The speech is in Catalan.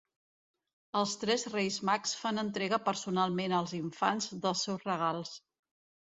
Els tres Reis Mags fan entrega personalment als infants dels seus regals.